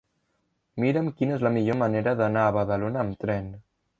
Mira'm quina és la millor manera d'anar a Badalona amb tren.